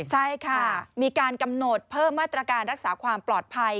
ใช่ค่ะมีการกำหนดเพิ่มมาตรการรักษาความปลอดภัย